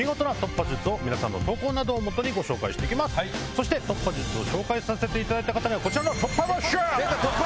そして突破術を紹介させていただいた方には。